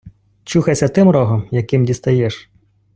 Чухайся тим рогом, яким дістаєш!